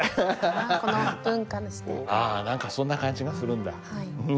ああ何かそんな感じがするんだ。